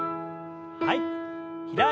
はい。